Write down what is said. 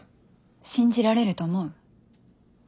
信じられると思う？